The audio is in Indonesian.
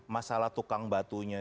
masalah tukang batunya